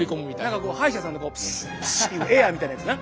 何か歯医者さんのこうエアみたいなやつな。